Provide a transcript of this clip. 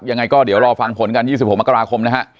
ยังไงก็เดี๋ยวรอฟังผลกัน๒๖มกราคมนะฮะ